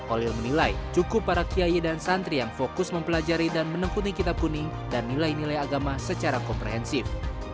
olil menilai cukup para kiai dan santri yang fokus mempelajari dan menekuni kitab kuning dan nilai nilai agama secara komprehensif